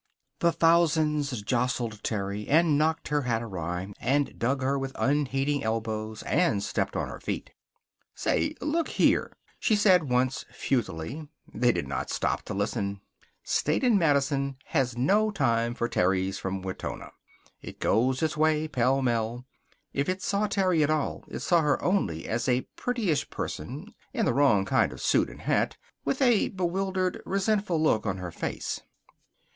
The thousands jostled Terry, and knocked her hat awry, and dug her with unheeding elbows, and stepped on her feet. "Say, look here!" she said once futilely. They did not stop to listen. State and Madison has no time for Terrys from Wetona. It goes its way, pell mell. If it saw Terry at all it saw her only as a prettyish person, in the wrong kind of suit and hat, with a bewildered, resentful look on her face.